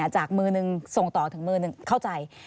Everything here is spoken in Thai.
จากมือหนึ่งส่งต่อถึงมือหนึ่งเข้าใจ